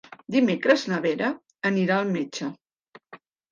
Dimecres na Vera anirà al metge.